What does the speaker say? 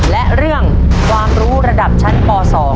และเรื่องความรู้ระดับชั้นป๒